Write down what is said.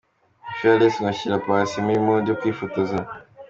Fearless ngo ashyira Paccy muri 'mood' yo kwifotoza.